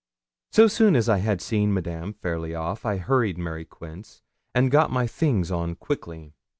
So soon as I had seen Madame fairly off, I hurried Mary Quince, and got my things on quickly.